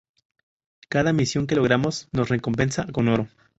Cada misión que logramos nos recompensa con oro.